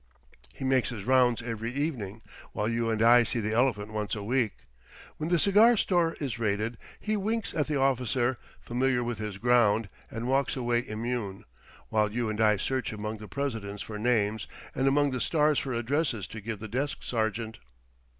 He makes his rounds every evening; while you and I see the elephant once a week. When the cigar store is raided, he winks at the officer, familiar with his ground, and walks away immune, while you and I search among the Presidents for names, and among the stars for addresses to give the desk sergeant."